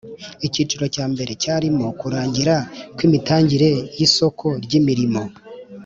icyiciro cya mbere cyarimo kurangira kwi imitangire y isoko ry imirimo